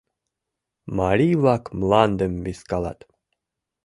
Марий-влак мландым вискалат.